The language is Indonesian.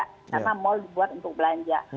karena mall dibuat untuk belanja